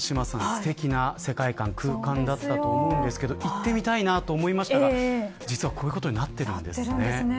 すてきな世界空間だったと思うんですけど行ってみたいなと思いましたが実はこういうことになっているんですね。